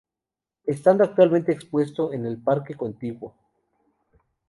Estando actualmente expuesto en el parque contiguo.